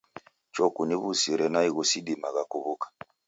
Choo kuniw'usire naighu sidimagha kuw'uka